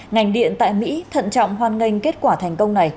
ngành điện tại mỹ thận trọng hoan nghênh kết quả thành công này